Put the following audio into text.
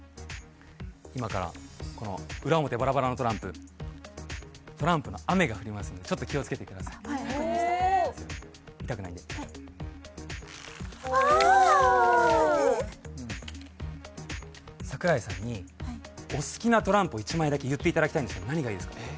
今からこの裏表バラバラのトランプトランプの雨が降りますのでちょっと気をつけてくださいはい分かりました痛くないんではいあおお桜井さんにお好きなトランプを１枚だけ言っていただきたいんですけど何がいいですか？